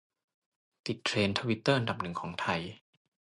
ติดเทรนด์ทวิตเตอร์อันดับหนึ่งของไทย